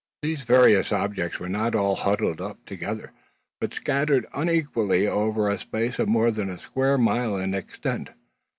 These various objects were not all huddled up together, but scattered unequally over a space of more than a square mile in extent.